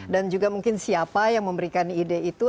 juga mungkin siapa yang memberikan ide itu